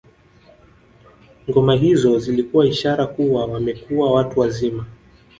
Ngoma hizo zilikuwa ishara kuwa wamekuwa watu wazima